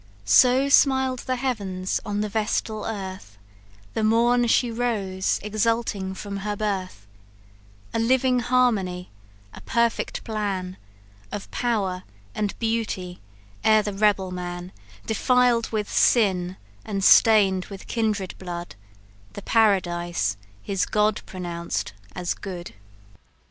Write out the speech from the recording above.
"So smiled the heavens upon the vestal earth, The morn she rose exulting from her birth; A living harmony, a perfect plan Of power and beauty, ere the rebel man Defiled with sin, and stain'd with kindred blood, The paradise his God pronounced as good."